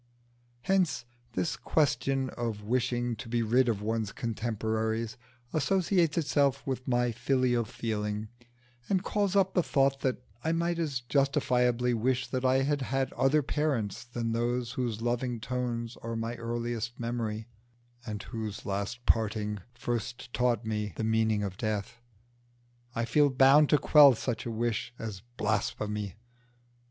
Hence this question of wishing to be rid of one's contemporaries associates itself with my filial feeling, and calls up the thought that I might as justifiably wish that I had had other parents than those whose loving tones are my earliest memory, and whose last parting first taught me the meaning of death. I feel bound to quell such a wish as blasphemy.